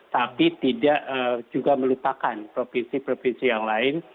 tapi tidak juga melupakan provinsi provinsi yang lain